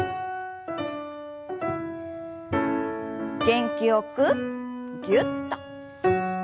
元気よくぎゅっと。